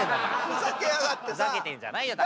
ふざけてんじゃないよ。